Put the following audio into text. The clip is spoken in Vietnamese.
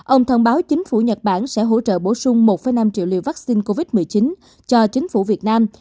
ông thông báo chính phủ nhật bản sẽ hỗ trợ bổ sung một năm triệu liều vaccine covid một mươi chín cho chính phủ việt nam